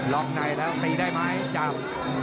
็อกในแล้วตีได้ไหมจำ